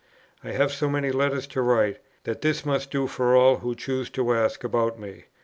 "I have so many letters to write, that this must do for all who choose to ask about me.